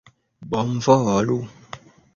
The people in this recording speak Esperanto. Bonvolu!